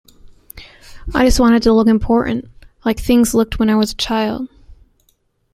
I just wanted to look important, like things looked when I was a child.